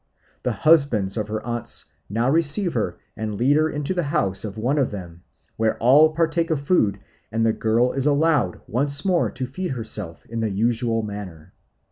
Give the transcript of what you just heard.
The husbands of her aunts now receive her and lead her into the house of one of them, where all partake of food, and the girl is allowed once more to feed herself in the usual manner.